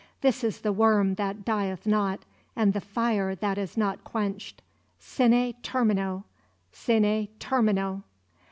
This is the worm that dieth not and the fire that is not quenched. "Sine termino, sine termino!"